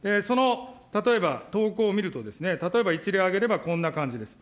例えば投稿を見るとですね、例えば一例を挙げれば、こんな感じです。